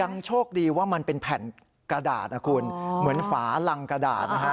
โชคดีว่ามันเป็นแผ่นกระดาษนะคุณเหมือนฝารังกระดาษนะฮะ